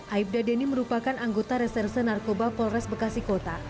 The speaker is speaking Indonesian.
aibda deni merupakan anggota reserse narkoba polres bekasi kota